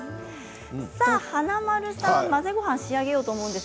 華丸さん、混ぜごはんを仕上げようと思います。